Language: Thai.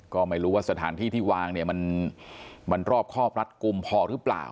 ก็ไม่รู้ว่าสถานที่ที่วางเนี่ยมันรอบครอบรัดกลุ่มพอหรือเปล่า